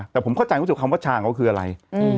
แต่ผมเข้าใจรู้สึกคำว่าชางเขาคืออะไร